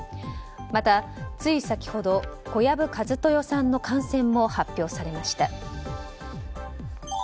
またつい先ほど小籔千豊さんの感染も発表されました。